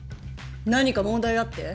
何か問題あって？